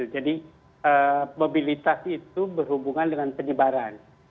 jadi mobilitas itu berhubungan dengan penyebaran